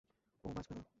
ও বাঁচবে না।